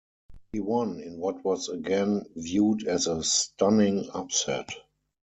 He won in what was again viewed as a stunning upset.